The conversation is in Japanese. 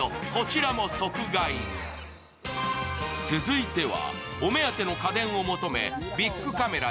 続いてはお目当ての家電を求めビックカメラ